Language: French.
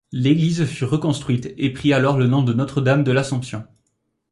L'église fut reconstruite et prit alors le nom de Notre-dame de l'Assomption.